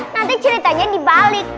nanti ceritanya dibalik